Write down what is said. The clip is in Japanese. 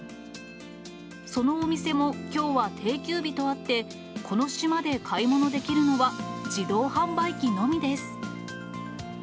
そのお店も、きょうは定休日とあって、この島で買い物できるのは、自動販売機のみです。